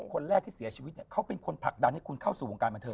คนแรกที่เสียชีวิตเนี่ยเขาเป็นคนผลักดันให้คุณเข้าสู่วงการบันเทิ